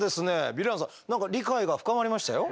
ヴィランさん理解が深まりましたよ。